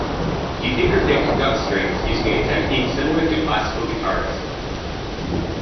He fingerpicked gut strings using a technique similar to classical guitarists.